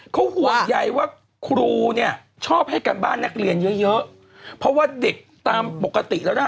เขาห่วงใยว่าครูเนี่ยชอบให้การบ้านนักเรียนเยอะเยอะเพราะว่าเด็กตามปกติแล้วนะ